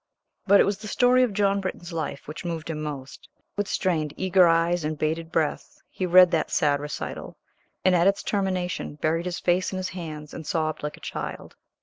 But it was the story of John Britton's life which moved him most. With strained, eager eyes and bated breath he read that sad recital, and at its termination, buried his face in his hands and sobbed like a child.